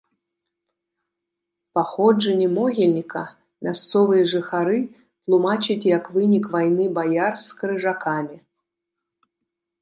Паходжанне могільніка мясцовыя жыхары тлумачаць як вынік вайны баяр з крыжакамі.